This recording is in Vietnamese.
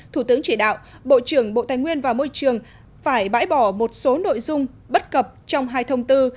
thủ tướng chỉ đạo bộ trưởng bộ tài nguyên và môi trường phải bãi bỏ một số nội dung bất cập trong hai thông tư